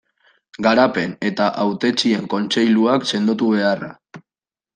Garapen eta Hautetsien kontseiluak sendotu beharra.